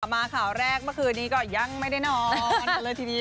มาข่าวแรกเมื่อคืนนี้ก็ยังไม่ได้นอนกันเลยทีเดียว